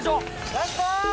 ラスト！